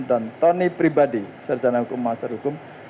dan tony pribadi sarjana hukum master hukum